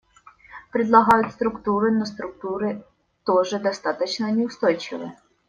Предлагают структуры, но структуры тоже достаточно неустойчивы.